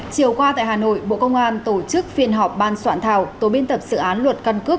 chiều qua tại hà nội bộ công an tổ chức phiên họp ban soạn thảo tổ biên tập sự án luật căn cước